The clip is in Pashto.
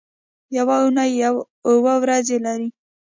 یوه اونۍ اووه ورځې لري